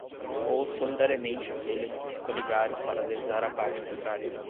ou solidariamente aqueles que se coligaram para lesar a parte contrária